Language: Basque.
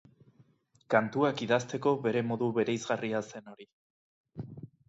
Kantuak idazteko bere modu bereizgarria zen hori.